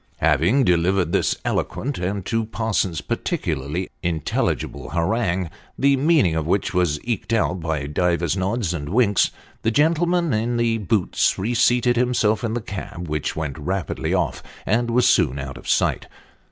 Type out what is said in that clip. Having delivered this eloquent, and, to Parsons, particularly in telligible harangue, the meaning of which was eked out by divers nods and winks, the gentleman in the boots reseated himself in the cab, which went rapidly off, and was soon out of sight.